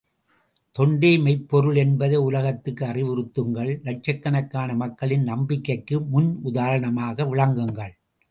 தொண்டே மெய்ப் பொருள் என்பதை உலகத்துக்கு அறிவுறுத்துங்கள் லட்சக்கணக்கான மக்களின் நம்பிக்கைக்கு முன்னுதாரணமாக விளங்குங்கள்.